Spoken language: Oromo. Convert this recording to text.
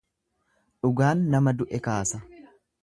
Dhugaan nama du'e kaasa.